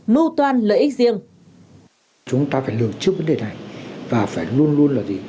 nô toan lợi ích riêng